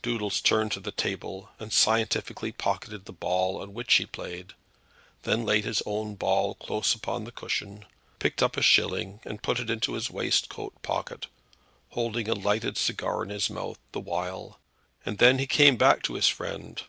Doodles turned to the table, and scientifically pocketed the ball on which he played; then he laid his own ball close under the cushion, picked up a shilling and put it into his waistcoat pocket, holding a lighted cigar in his mouth the while, and then he came back to his friend.